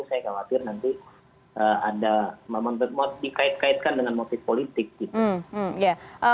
saya khawatir nanti ada momen motif dikait kaitkan dengan motif politik gitu